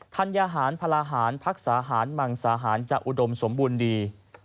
ธัญหารพลาหารพักษาหารมังสาหารจะอุดมสมบูรณ์ดี